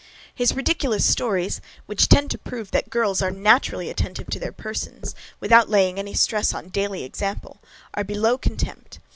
His ridiculous stories, which tend to prove that girls are NATURALLY attentive to their persons, without laying any stress on daily example, are below contempt.